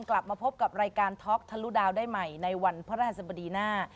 กลับมาพบกับรายการท็อกทะลุดาวได้ใหม่ในวันพระราชบดีหน้า